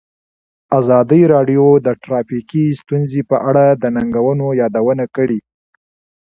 ازادي راډیو د ټرافیکي ستونزې په اړه د ننګونو یادونه کړې.